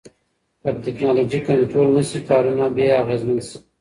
که ټکنالوژي کنټرول نشي، کارونه به اغیزمن شي.